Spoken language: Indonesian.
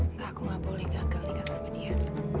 enggak aku gak boleh gagal nikah sama dia